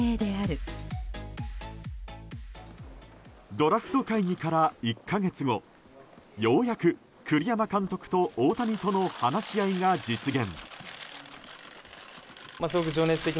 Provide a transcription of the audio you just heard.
ドラフト会議から１か月後ようやく栗山監督と大谷との話し合いが実現。